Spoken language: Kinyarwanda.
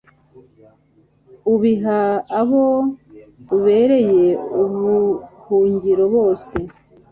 Ubiha abo ubereye ubuhungiro bose